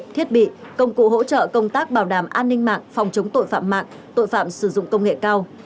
thiết bị công cụ hỗ trợ công tác bảo đảm an ninh mạng phòng chống tội phạm mạng tội phạm sử dụng công nghệ cao